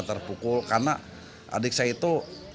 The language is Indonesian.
terpukul karena adik saya itu